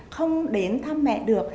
không đến thăm mẹ được